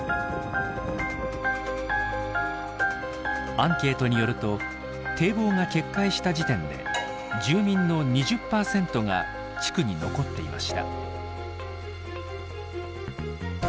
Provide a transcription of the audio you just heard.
アンケートによると堤防が決壊した時点で住民の２０％が地区に残っていました。